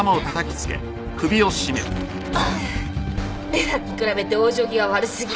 玲奈に比べて往生際悪過ぎ。